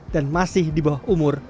masih di bawah umur